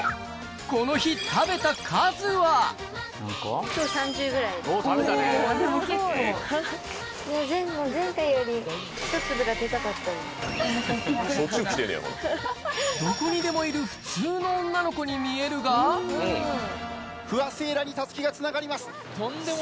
この日どこにでもいる普通の女の子に見えるが不破聖衣来にたすきがつながります。